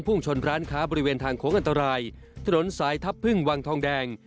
่งชนร้านค้าบริเวณทางโค้งอันตรายถนนสายทัพพึ่งวังทองแดง